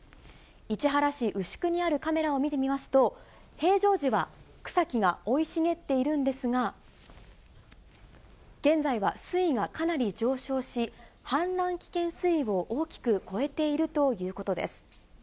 市原市牛久にあるカメラを見てみますと、平常時は草木が生い茂っているんですが、現在は水位がかなり上昇し、氾濫危険水位を大きく超えているということです。